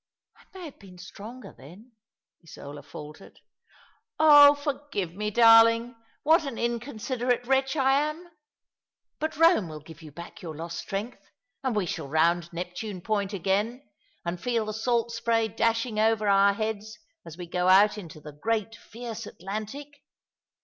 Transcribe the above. Ecco Roma. 251 " I may have been stronger then," Isola faltered. " Oh, forgive me, darling ! What an inconsiderate wretch I am ! But Kome will give you back your lost strengtii ; and we shall round Neptune Point again, and feel the salt spray dashing over our heads as wo go out into the great fierce Atlantic.